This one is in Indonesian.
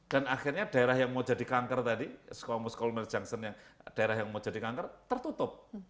dan akhirnya daerah yang mau jadi kanker tadi squamous columnar junctionnya daerah yang mau jadi kanker tertutup